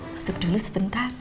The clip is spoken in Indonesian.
masuk dulu sebentar